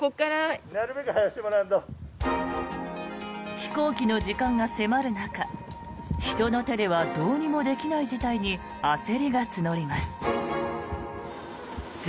飛行機の時間が迫る中人の手ではどうにもできない事態に焦りが募ります。